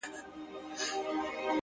• دوه پاچایان پر یو تخت نه ځايېږي ,